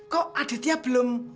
kok aditya belum